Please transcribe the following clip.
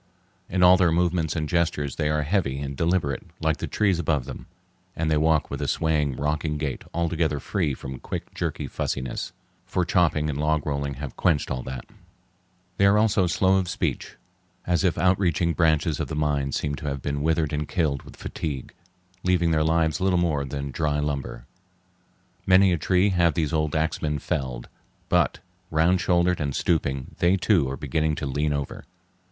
In all their movements and gestures they are heavy and deliberate like the trees above them, and they walk with a swaying, rocking gait altogether free from quick, jerky fussiness, for chopping and log rolling have quenched all that. They are also slow of speech, as if partly out of breath, and when one tries to draw them out on some subject away from logs, all the fresh, leafy, outreaching branches of the mind seem to have been withered and killed with fatigue, leaving their lives little more than dry lumber. Many a tree have these old axemen felled, but, round shouldered and stooping, they too are beginning to lean over.